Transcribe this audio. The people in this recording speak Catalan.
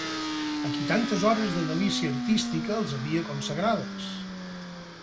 A qui tantes hores de delícia artística els havia consagrades.